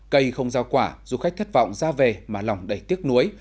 cây không giao quả du khách thất vọng ra về mà lòng đầy tiếc nuối